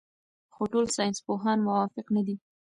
خو ټول ساینسپوهان موافق نه دي.